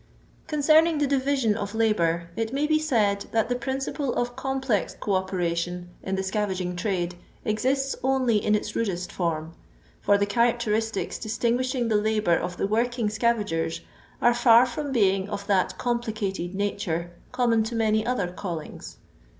Concerning the division of labour, it may be said, that the principle of complex co operation in the scavaging trade exists only in its rudest form, for the characteristics distinguishing the labour of the working scavagers are far from being of that complicated nature common to many other callings.